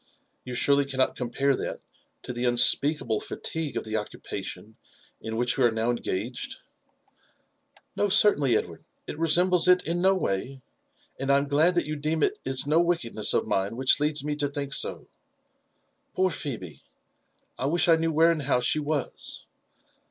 You surely cannot compare that to the unspeakable fatigue of the occupation in which we are now engaged ?" "No, certainly, Edward, it resembles it in noway, and I am glad that you deem it is no wickedness of mine which leads me to diink so. Poor Phebe 1 — I wish I knew where and how she was.